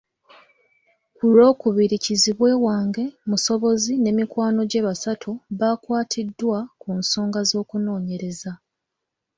Ku Lwokubiri kizibwe wange Musobozi ne mikwano gye basatu baakwatiddwa ku nsonga z’okunoonyereza